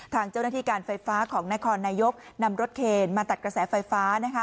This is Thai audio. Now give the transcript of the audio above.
ทางเจ้าหน้าที่การไฟฟ้าของนครนายกนำรถเคนมาตัดกระแสไฟฟ้า